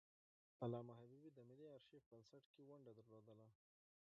علامه حبيبي د ملي آرشیف بنسټ کې ونډه درلودله.